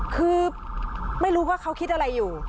คือไม่รู้ว่าเขาคิดอะไรอยู่